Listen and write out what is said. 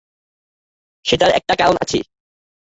সেটার একটা কারণ আছে।